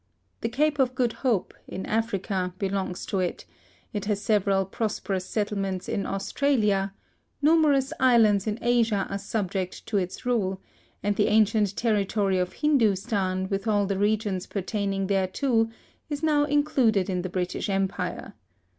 The Cape of Good Hope, in Africa, belongs to it; it has several prosperous settlements in Australia; numerous islands in Asia are subject to its rule; and the ancient territory of Hindostan with all the regions pertaining thereto, is now included in the British Empire.